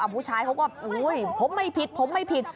ผู้ชายเขาก็ผมไม่ผิดผมไม่ผิด